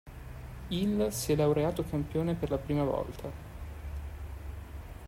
Il si è laureato campione per la prima volta.